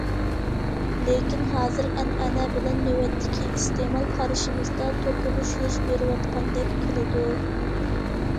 لېكىن ھازىر ئەنئەنە بىلەن نۆۋەتتىكى ئىستېمال قارىشىمىزدا توقۇنۇش يۈز بېرىۋاتقاندەك قىلىدۇ.